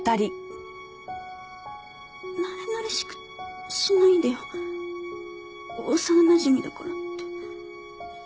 なれなれしくしないでよ幼なじみだからって。